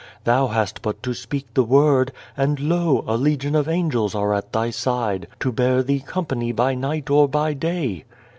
Thou hast but to speak the word, and lo ! a legion of angels are at Thy side to bear Thee company by night or by day."